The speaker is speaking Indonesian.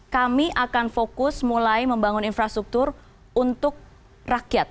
kami akan fokus mulai membangun infrastruktur untuk rakyat